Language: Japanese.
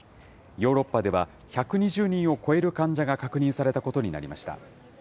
ヨーロッパでは１２０人を超える患者が確認されたことになりました。